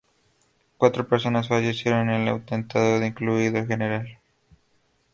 Cuatro personas fallecieron en el atentado, incluido el general.